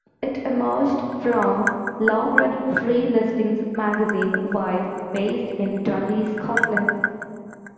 It emerged from long-running free listings magazine "Vibe" based in Dundee, Scotland.